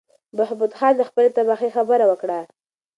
بهبود خان د خپلې تباهۍ خبره وکړه.